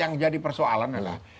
yang jadi persoalan adalah